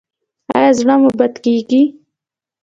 ایا زړه مو بد کیږي؟